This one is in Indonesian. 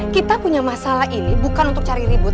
kita punya masalah ini bukan untuk cari ribut